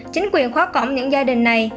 chính quyền khóa cổng những gia đình này